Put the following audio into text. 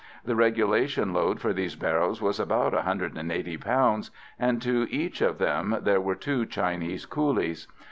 The regulation load for these barrows was about 180 pounds, and to each of them there were two Chinese coolies.